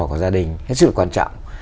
của gia đình hết sức là quan trọng